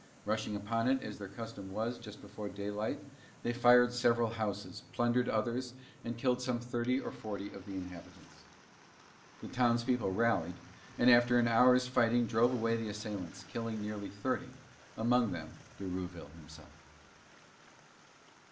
Rushing upon it, as their custom was, just before daylight, they fired several houses, plundered others, and killed some thirty or forty of the inhabitants. The townspeople rallied, and after an hour's fighting drove away the assailants, killing nearly thirty, among them De Rouville himself.